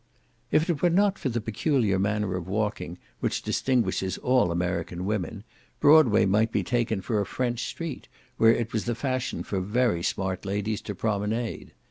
If it were not for the peculiar manner of walking, which distinguishes all American women, Broadway might be taken for a French street, where it was the fashion for very smart ladies to promenade.